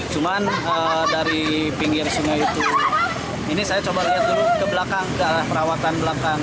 cuma dari pinggir sungai itu ini saya coba lihat dulu ke belakang perawatan belakang